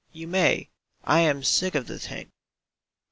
You may. I am sick of the thing.